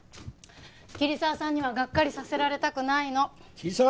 桐沢さんにはがっかりさせられたくないの。桐沢？